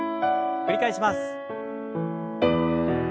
繰り返します。